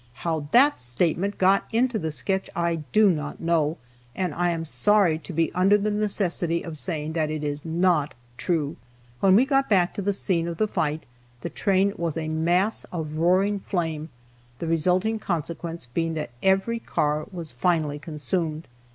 How that statement got into the sketch I do not know, and I am sorry to be under the necessity of saying that it is not true. When we got back to the scene of the fight the train was a mass of roaring flame, the resulting consequence being that every car was finally consumed.